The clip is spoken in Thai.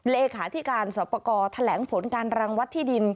เลขาธิการสอบประกอบแถลงผลการรังวัดที่ดิน